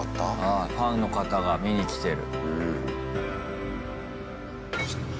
あファンの方が見に来てる。